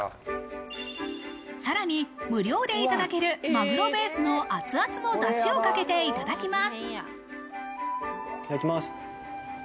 さらに無料でいただけるマグロベースの熱々の出汁をかけていただきます。